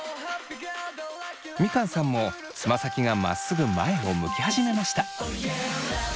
みかんさんもつま先がまっすぐ前を向き始めました。